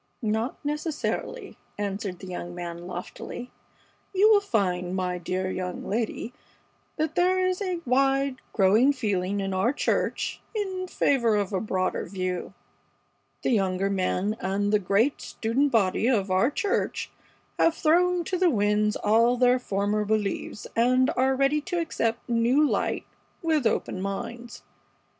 "Not necessarily," answered the young man, loftily. "You will find, my dear young lady, that there is a wide, growing feeling in our church in favor of a broader view. The younger men, and the great student body of our church, have thrown to the winds all their former beliefs and are ready to accept new light with open minds.